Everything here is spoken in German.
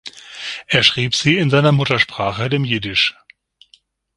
Er schrieb sie in seiner Muttersprache, dem Jiddisch.